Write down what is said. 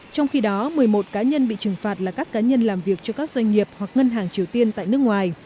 trong khi đó một mươi một cá nhân bị trừng phạt là các cá nhân làm việc cho các doanh nghiệp hoặc ngân hàng triều tiên tại nước ngoài